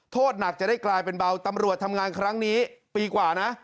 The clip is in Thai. โทษหนักจะได้กลายเป็นเบาตำรวจทำงานครั้งนี้ปีกว่านะ